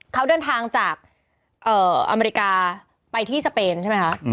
เขาเดินทางจากอเมริกาไปที่สเปนใช่ไหมคะ